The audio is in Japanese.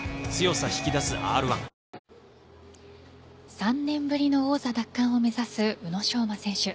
３年ぶりの王座奪還を目指す宇野昌磨選手。